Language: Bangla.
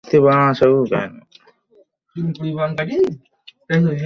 এটা আমার সোনোগ্রাফি।